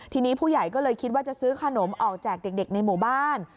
ทีนี้ผู้ใหญ่ก็เลยคิดว่าจะซื้อขนมออกแจกเด็กในหมู่บ้าน